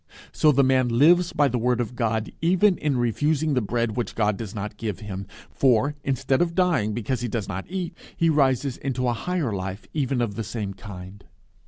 So the man lives by the word of God even in refusing the bread which God does not give him, for, instead of dying because he does not eat, he rises into a higher life even of the same kind.